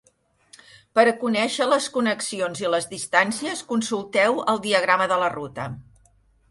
Per a conèixer les connexions i les distàncies, consulteu el diagrama de la ruta.